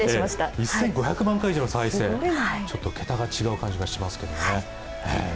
１５００万回、ちょっと桁が違う感じがしましたけどね。